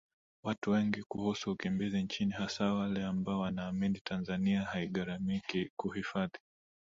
watu wengi kuhusu ukimbizi nchini hasa wale ambao wanaamini Tanzania haigharamiki kuhifadhi